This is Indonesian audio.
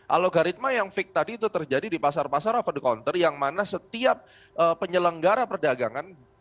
alogaritma yang fix tadi itu terjadi di pasar pasar over the counter yang mana setiap penyelenggara perdagangan